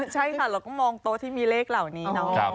ใช่ค่ะเราก็มองโต๊ะที่มีเลขเหล่านี้เนาะ